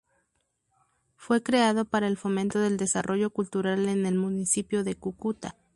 Fue creado para el fomento del desarrollo cultural en el Municipio de Cúcuta.